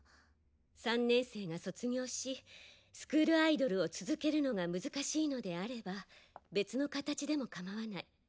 ３年生が卒業しスクールアイドルを続けるのが難しいのであれば別の形でもかまわない。